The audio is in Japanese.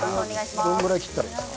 どれくらい切ったらいいですか？